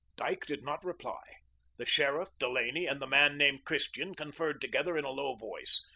Dyke did not reply. The sheriff, Delaney, and the man named Christian conferred together in a low voice.